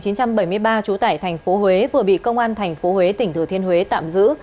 năm một nghìn chín trăm bảy mươi ba chú tải thành phố huế vừa bị công an thành phố huế tỉnh thừa thiên huế tạm giữ